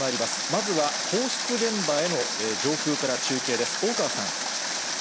まずは放出現場への上空から中継です。